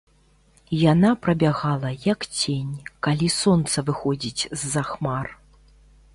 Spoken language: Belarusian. Яна прабягала, як цень, калі сонца выходзіць з-за хмар.